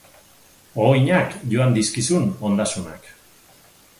Ohoinak joan dizkizun ondasunak.